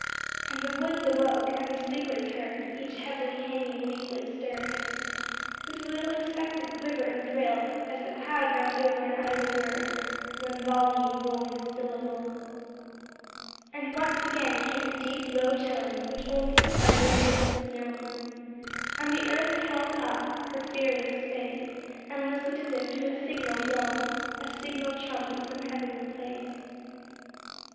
And the woods awoke, and the sleepers heard, Each heavily hanging leaflet stirred With a little expectant quiver and thrill, As the cloud bent over and uttered a word, One volleying, rolling syllable. And once and again came the deep, low tone Which only to thunder's lips is known, And the earth held up her fearless face And listened as if to a signal blown, A signal trump in some heavenly place.